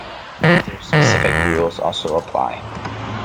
Other specific rules also apply.